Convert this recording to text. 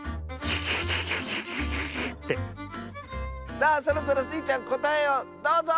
さあそろそろスイちゃんこたえをどうぞ！